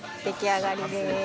出来上がりです